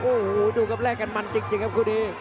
โอ้โหดูครับแลกกันมันจริงครับคู่นี้